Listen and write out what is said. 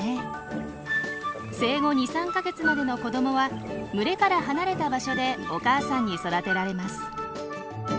生後２３か月までの子どもは群れから離れた場所でお母さんに育てられます。